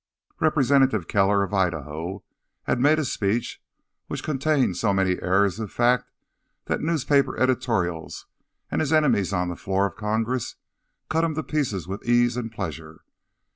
Representative Keller of Idaho had made a speech which contained so many errors of fact that newspaper editorials, and his enemies on the floor of Congress, cut him to pieces with ease and pleasure.